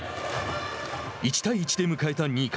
１対１で迎えた２回。